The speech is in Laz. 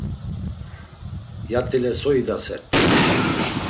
Yat̆ile so idasert̆u?